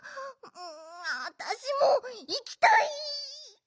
わたしもいきたい！